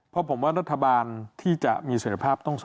เพราะผมว่ารัฐบาลที่จะมีเสร็จภาพต้อง